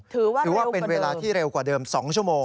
ถือว่าเป็นเวลาที่เร็วกว่าเดิม๒ชั่วโมง